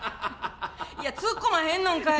いやツッコまへんのんかい。